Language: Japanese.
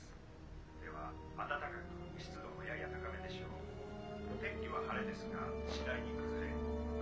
北部では暖かく湿度もやや高めでしょう天気は晴れですが次第に崩れのちに曇り